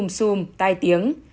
lùm xùm tai tiếng